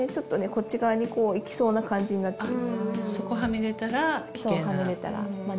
こっち側に行きそうな感じになってる。